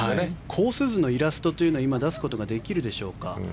コース図のイラストというのを出すことができるでしょうか。